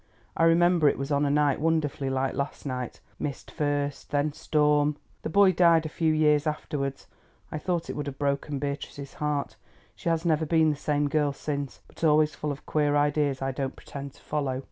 I remember it was on a night wonderfully like last night—mist first, then storm. The boy died a few years afterwards. I thought it would have broken Beatrice's heart; she has never been the same girl since, but always full of queer ideas I don't pretend to follow.